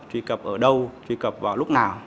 truy cập ở đâu truy cập vào lúc nào